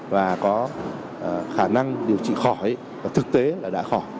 và có khả năng điều trị khỏi và thực tế là đã khỏi